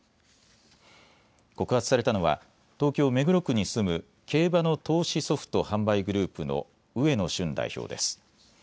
告発されたのは東京目黒区に住む競馬の投資ソフト販売グループの植野瞬代表です。